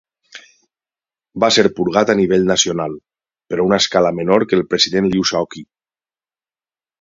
Va se purgat a nivell nacional, però a una escala menor que el president Liu Shaoqi.